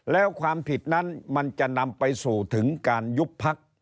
แล้วความผิดนั้นมันจะนำไปสู่ถึงการยุบพัก